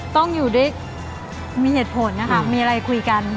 ต้องอยู่ด้วยมีเหตุผลนะคะมีอะไรคุยกัน